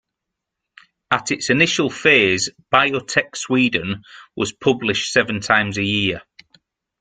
At its initial phase "Biotech Sweden" was published seven times a year.